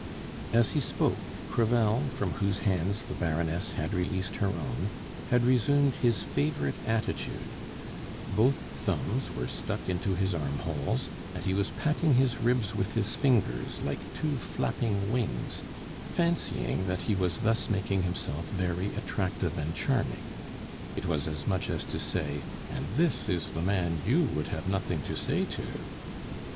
As he spoke, Crevel, from whose hands the Baroness had released her own, had resumed his favorite attitude; both thumbs were stuck into his armholes, and he was patting his ribs with his fingers, like two flapping wings, fancying that he was thus making himself very attractive and charming. It was as much as to say, "And this is the man you would have nothing to say to!"